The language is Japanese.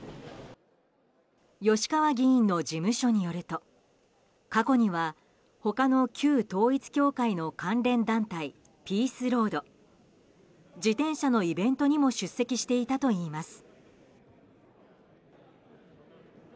吉川議員の事務所によると過去には他の旧統一教会の関連団体ピースロード自転車のイベントにも出席していたといいます。